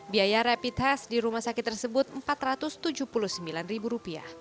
biaya rapid test di rumah sakit tersebut rp empat ratus tujuh puluh sembilan